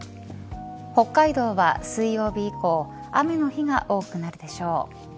北海道は水曜日以降雨の日が多くなるでしょう。